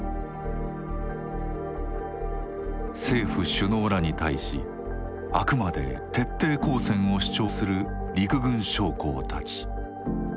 政府首脳らに対しあくまで徹底抗戦を主張する陸軍将校たち。